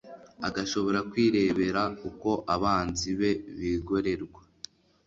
agashobora kwirebera uko abanzi be bigorerwa